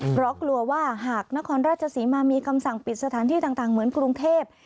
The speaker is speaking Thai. เพราะกลัวว่าหากนครราชศรีมามีคำสั่งปิดสถานที่ต่างเหมือนกรุงเทพ